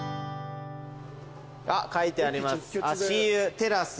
あっ書いてあります。